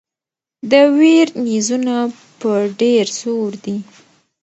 د ویر نیزونه په ډېر زور دي.